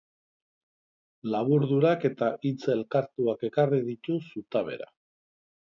Laburdurak eta hitz elkartuak ekarri ditu zutabera.